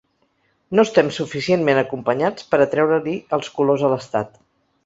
No estem suficientment acompanyats per a treure-li els colors a l’estat.